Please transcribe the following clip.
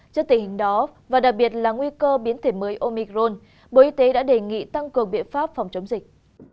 trước tình hình đó và đặc biệt là nguy cơ biến thể mới omicron bộ y tế đã đề nghị tăng cường biện pháp phòng chống dịch